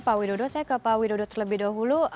pak widodo saya ke pak widodo terlebih dahulu